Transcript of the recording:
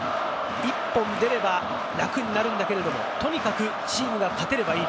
１本出れば楽になるんだけれども、とにかくチームが勝てばいい。